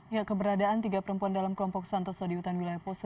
ya keberadaan tiga perempuan dalam kelompok santoso di hutan wilayah poso